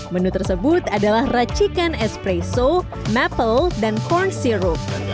menu tersebut adalah racikan espresso maple dan corn syrup